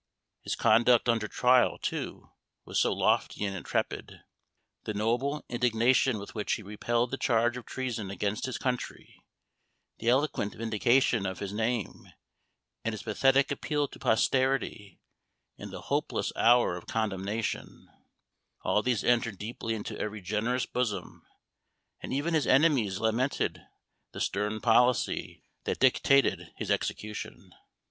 His conduct under trial, too, was so lofty and intrepid. The noble indignation with which he repelled the charge of treason against his country the eloquent vindication of his name and his pathetic appeal to posterity, in the hopeless hour of condemnation, all these entered deeply into every generous bosom, and even his enemies lamented the stern policy that dictated his execution.